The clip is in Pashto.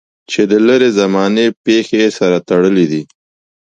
چې د لرې زمانې پېښې یې سره تړلې دي.